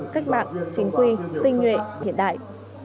cách mạng chính quy tinh nguyện hiện đại